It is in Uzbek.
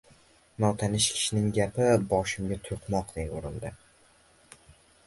Notanish kishining gapi boshimga toʻqmoqday urildi